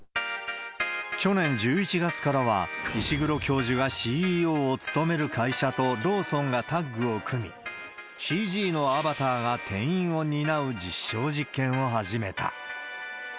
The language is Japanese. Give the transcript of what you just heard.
去年１１月からは、石黒教授がＣＥＯを務める会社とローソンがタッグを組み、ＣＧのアバターが店員を担う実証実験を始めた。